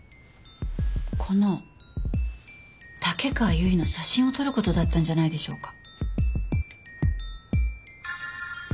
この竹川由衣の写真を撮る事だったんじゃないでしょうか。